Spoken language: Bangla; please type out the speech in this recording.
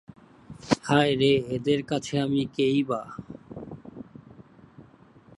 হায় রে, এদের কাছে আমি কেই বা!